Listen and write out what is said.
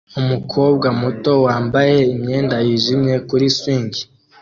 Umukobwa muto wambaye imyenda yijimye kuri swing